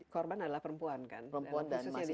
korban adalah perempuan kan